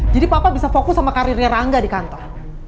jadi papa bisa fokus sama karirnya rangga di kantor